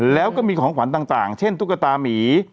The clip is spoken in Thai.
แล้วก็มีของขวัญต่างเช่นตุ๊กตามี